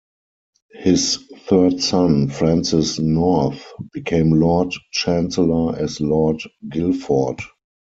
His third son, Francis North, became Lord Chancellor as Lord Guilford.